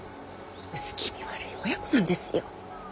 薄気味悪い親子なんですよ。